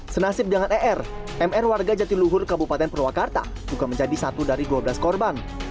senasib dengan er mr warga jatiluhur kabupaten purwakarta juga menjadi satu dari dua belas korban